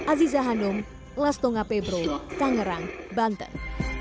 aziza hanum lastonga pebro tangerang banten